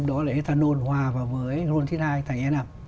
đó là etanol hòa vào với ron chín mươi hai thành e năm